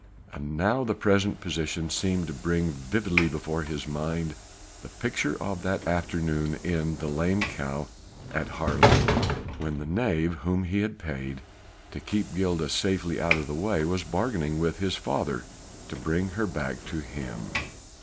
And now the present position seemed to bring vividly before his mind the picture of that afternoon in the "Lame Cow" at Haarlem, when the knave whom he had paid to keep Gilda safely out of the way was bargaining with his father to bring her back to him.